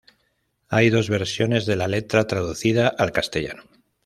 Hay dos versiones de la letra traducida al castellano.